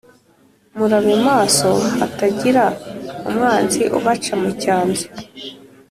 Murabe maso hatagira umwanzi ubaca mucyanzu